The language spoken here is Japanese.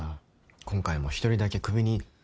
今回も一人だけ首に。